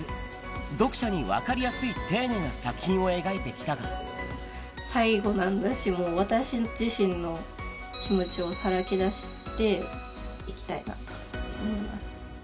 読者に分かりやすい丁寧な作品を最後なんだし、もう私自身の気持ちをさらけ出していきたいなと思います。